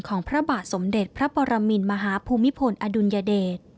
พระบาทสมเด็จพระปรมินมหาภูมิพลอดุลยเดช